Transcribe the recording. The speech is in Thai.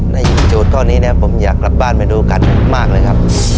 โจทย์ข้อนี้แล้วผมอยากกลับบ้านไปดูกันมากเลยครับ